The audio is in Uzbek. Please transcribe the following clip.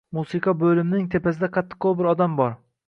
Musiqa bo‘limining tepasida qattiqqo‘l bir odam bor.